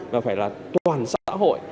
mà phải là toàn xã hội